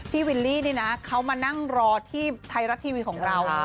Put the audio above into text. วิลลี่นี่นะเขามานั่งรอที่ไทยรัฐทีวีของเรา